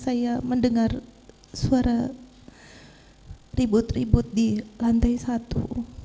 saya mendengar suara ribut ribut di lantai satu